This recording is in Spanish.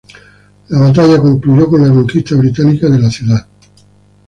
La batalla concluyó con la conquista británica de la ciudad.